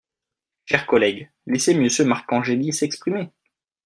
Chers collègues, laissez Monsieur Marcangeli s’exprimer